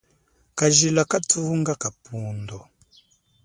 Kajila kanthunga kapundo.